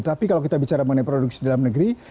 tapi kalau kita bicara mengenai produksi dalam negeri